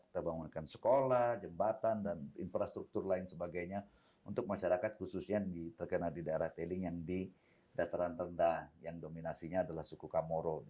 kita bangunkan sekolah jembatan dan infrastruktur lain sebagainya untuk masyarakat khususnya yang terkena di daerah tailing yang di dataran rendah yang dominasinya adalah suku kamoro